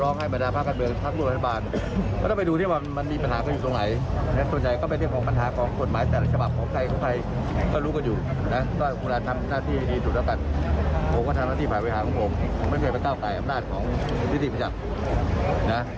นายโยคค่ะวันวานเห็นรองสุขประชัย